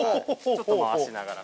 ちょっと回しながら。